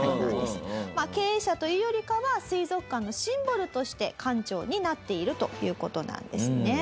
経営者というよりかは水族館のシンボルとして館長になっているという事なんですね。